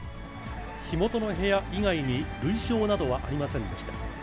火元の部屋以外に、類焼などはありませんでした。